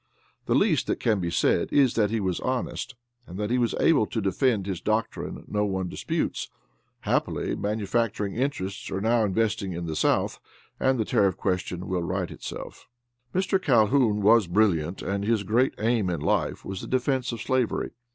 The least that can be said is that he was honest; and that he was able to defend his doctrine no one disputes. Happily manufacturing interests are now investing in the South, and the tariff question will right itself. Mr. Calhoun was brilliant and his great aim in life was the defense of slavery.